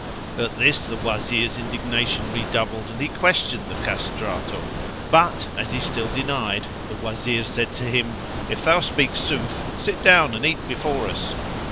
At this the Wazir's indignation redoubled and he questioned the Castrato but, as he still denied, the Wazir said to him, "If thou speak sooth, sit down and eat before us."